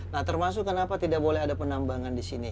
nah termasuk kenapa tidak boleh ada penambangan disini